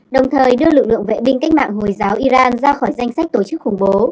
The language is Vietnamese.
đồng thời đưa lực lượng vệ binh cách mạng hồi giáo iran ra khỏi danh sách tổ chức khủng bố